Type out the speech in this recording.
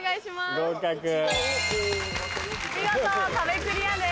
見事壁クリアです。